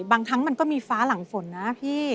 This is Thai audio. บางครั้งมันก็มีฟ้าหลังฝนนะพี่